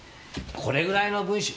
これぐらいの文章。